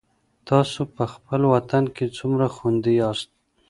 تاسو په خپل وطن کي څومره خوندي یاست؟